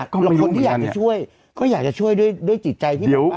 แล้วคนที่อยากจะช่วยก็อยากจะช่วยด้วยจิตใจที่แบบว่า